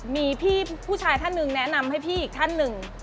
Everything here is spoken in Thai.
มีพี่ผู้ชายท่านหนึ่งแนะนำให้พี่อีกท่านหนึ่ง